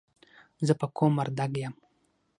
زه په قوم وردګ یم.